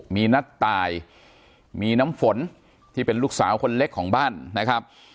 มีนัดตายมีน้ำฝนที่เป็นลูกสาวคนเล็กของบ้านนะครับ